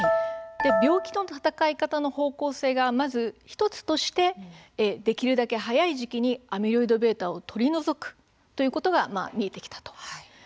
病気との闘い方の方向性がまず１つとしてできるだけ早い時期にアミロイドβを取り除くということが見えてきたと。